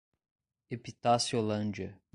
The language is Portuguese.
Epitaciolândia